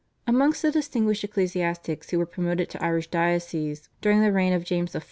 Amongst the distinguished ecclesiastics who were promoted to Irish dioceses during the reign of James I.